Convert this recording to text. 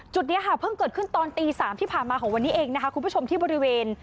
นี้ค่ะเพิ่งเกิดขึ้นตอนตี๓ที่ผ่านมาของวันนี้เองนะคะคุณผู้ชมที่บริเวณ